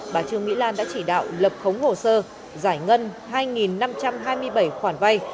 bà trương mỹ lan đã chỉ đạo lập khống hồ sơ giải ngân hai năm trăm hai mươi bảy khoản vay